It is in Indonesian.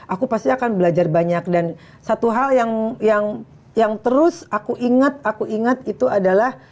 aku pasti akan belajar banyak dan satu hal yang yang terus aku ingat aku ingat itu adalah